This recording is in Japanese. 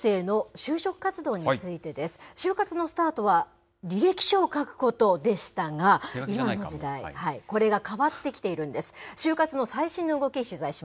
就活のスタートは、履歴書を書くことでしたが、今の時代、これが変わってきているんです。